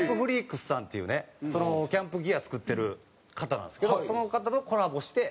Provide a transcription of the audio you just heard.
ＣＡＭＰＦＲＥＡＫＳ．さんっていうねキャンプギア作ってる方なんですけどその方とコラボして。